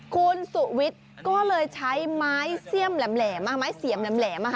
คุณสุวิทย์ก็เลยใช้ไม้เสี่ยมแหลมมา